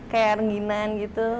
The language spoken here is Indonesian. kayak rengginan gitu